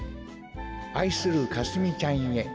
あいするかすみちゃんへ。